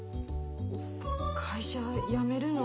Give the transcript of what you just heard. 会社辞めるの？